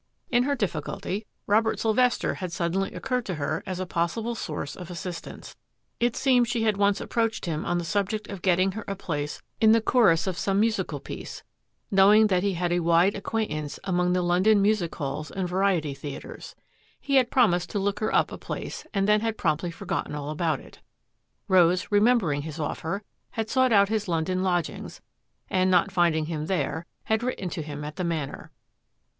In her difficulty Robert Sylvester had suddenly occurred to her as a possible source of assistance. It seems she had once approached him on the sub ject of getting her a place in the chorus of some 221 822 THAT AFFAIR AT THE MANOR musical piece — knowing that he had a wide ac quaintance among the London music halls and variety theatres. He had promised to look her up a place and then had promptly forgotten all about it. Rose, remembering his offer, had sought out his London lodgings, and not finding him there, had written to him at the Manor.